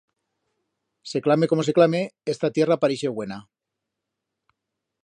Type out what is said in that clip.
Se clame como se clame, esta tierra parixe buena.